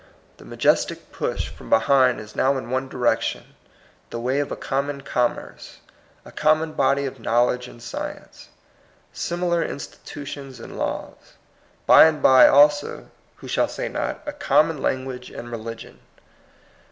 The majestic push from behind is now in one direction, the way of a common commerce, a common body of knowledge and science, similar institu tions and laws, by and by also (who shall say not?), a common language and reli gion.